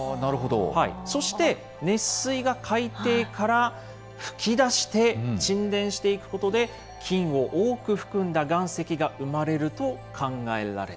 そして、熱水が海底から噴き出して沈殿していくことで、金を多く含んだ岩石が生まれると考え